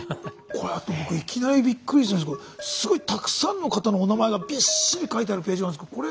これいきなりびっくりしたんですけどすごいたくさんの方のお名前がびっしり書いてあるページがあるんですけどこれ。